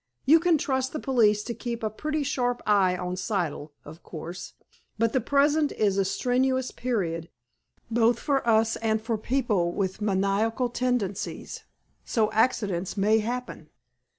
You can trust the police to keep a pretty sharp eye on Siddle, of course, but the present is a strenuous period, both for us and for people with maniacal tendencies, so accidents may happen."